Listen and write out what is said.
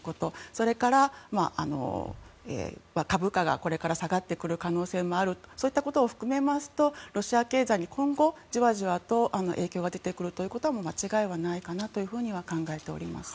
それから、株価がこれから下がってくる可能性もあるそういったことも含めますとロシア経済に今後じわじわと影響が出てくることは間違いないと考えております。